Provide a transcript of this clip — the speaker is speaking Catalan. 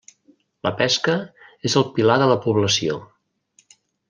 La pesca és el pilar de la població.